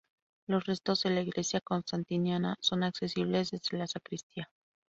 Los restos de la iglesia constantiniana son accesibles desde la sacristía.